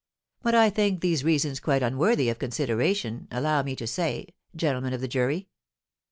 But I think these reasons quite unworthy of consideration, allow me to say, gentlemen of the jury.